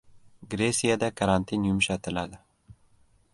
Gresiyada karantin yumshatiladi